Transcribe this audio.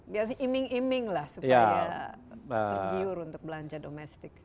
biasanya iming iming lah supaya tergiur untuk belanja domestik